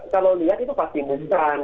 kalau lihat itu pasti muntah